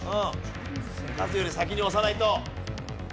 カズより先に押さないと。